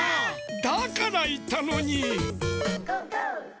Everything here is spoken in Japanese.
だからいったのに！